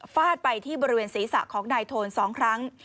ฟาดไปที่บริเวณศีรษะของนายโทน๒ครั้ง